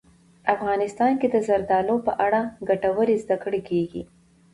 افغانستان کې د زردالو په اړه ګټورې زده کړې کېږي.